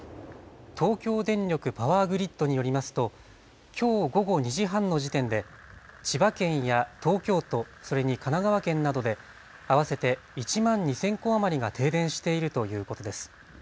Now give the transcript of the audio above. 東京電力パワーグリッドによりますときょう午後２時半の時点で千葉県や東京都、それに神奈川県などで合わせて１万２０００戸余りが停電しているということです。